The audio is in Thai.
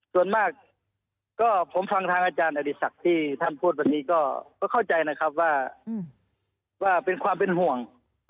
ส่วนมากก็ผมฟังทางอาจารย์อริสักที่ท่านพูดวันนี้ก็เข้าใจนะครับว่าเป็นความเป็นห่วง